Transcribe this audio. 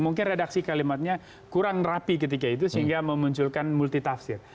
mungkin redaksi kalimatnya kurang rapi ketika itu sehingga memunculkan multitafsir